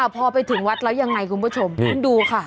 พอไปถึงวัดแล้วยังไงคุณผู้ชมคุณดูค่ะ